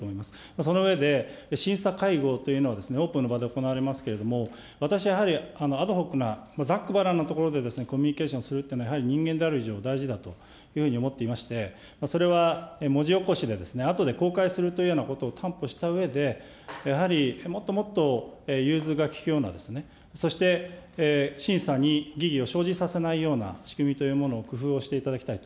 その上で、審査会合というのはオープンの場で行われますけれども、私はやはり、アドホックな、ざっくばらんなところでコミュニケーションをするというのはやはり人間である以上、大事だというふうに思ってまして、それは、文字起しでですね、あとで公開するというようなことを担保したうえで、やはりもっともっと、融通が利くような、そして、審査に疑義を生じさせないような仕組みというものを工夫をしていただきたいと。